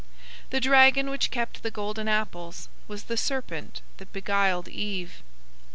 The Dragon which kept the golden apples was the serpent that beguiled Eve.